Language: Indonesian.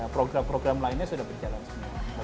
program program lainnya sudah berjalan semua